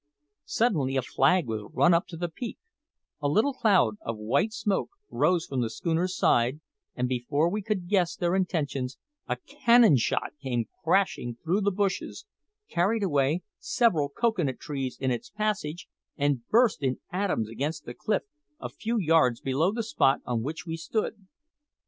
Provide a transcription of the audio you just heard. Suddenly a flag was run up to the peak, a little cloud of white smoke rose from the schooner's side, and before we could guess their intentions, a cannon shot came crashing through the bushes, carried away several cocoa nut trees in its passage, and burst in atoms against the cliff a few yards below the spot on which we stood.